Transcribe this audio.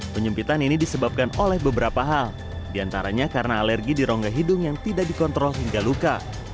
penyempitan ini disebabkan oleh beberapa hal diantaranya karena alergi di rongga hidung yang tidak dikontrol hingga luka